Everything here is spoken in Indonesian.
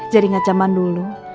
jadi ingat zaman dulu